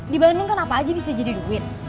di bandung kan apa aja bisa jadi duit